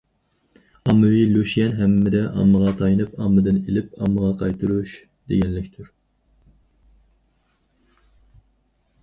ئاممىۋى لۇشيەن ھەممىدە ئاممىغا تايىنىش، ئاممىدىن ئېلىپ ئاممىغا قايتۇرۇش دېگەنلىكتۇر.